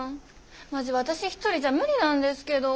マジ私一人じゃ無理なんですけど。